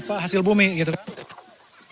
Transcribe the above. apa hasil bumi gitu kan